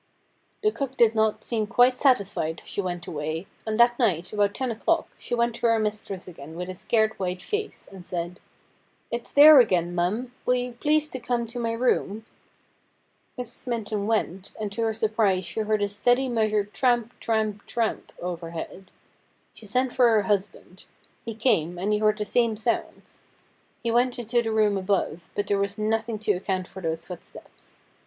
The cook did not seem quite satisfied as she went away ; and that night, about ten o'clock, she went to her mistress again with a scared white face, and said :' It's there again, mum. Will you please to come to my room ?' Mrs. Minton went, and to her surprise she heard a steady measured tramp, tramp, tramp, overhead. She sent for her husband. He came, and he heard the same sounds. He went into the room above, but there was nothing to account for those footsteps.